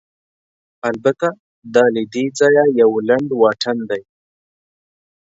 البته، دا له دې ځایه یو لنډ واټن دی.